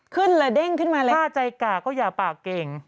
ขึ้นแล้วเด้งขึ้นมาแล้วค่าใจกากก็อย่าปากเก่ง